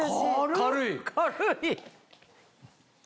軽い。